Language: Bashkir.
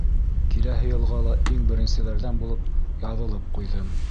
Киләһе йылға ла иң беренселәрҙән булып яҙылып ҡуйҙым.